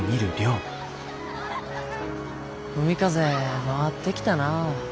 海風回ってきたなあ。